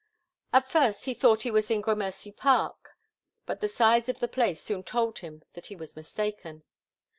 At first he thought he was in Gramercy Park, but the size of the place soon told him that he was mistaken.